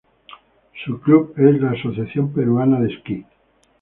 Su club es la Asociación Peruana de Esquí.